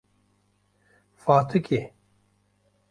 Fatikê